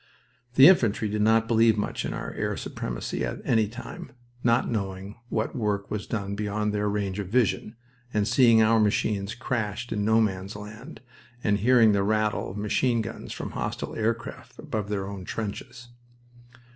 The infantry did not believe much in our air supremacy at any time, not knowing what work was done beyond their range of vision, and seeing our machines crashed in No Man's Land, and hearing the rattle of machine guns from hostile aircraft above their own trenches.